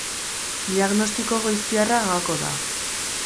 Diagnostiko goiztiarra gako da.